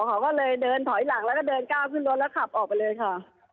เขาก็เลยเดินถอยหลังแล้วก็เดินก้าวขึ้นรถแล้วขับออกไปเลยค่ะ